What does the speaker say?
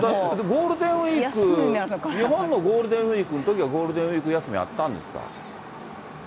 ゴールデンウィーク、日本のゴールデンウィークのときはゴールデンウィーク休みあったんですか？